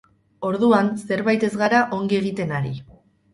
Orduan zerbait ez gara ongi egiten ari.